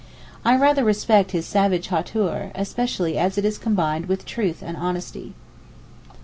I rather respect his savage hauteur, especially as it is combined with truth and honesty.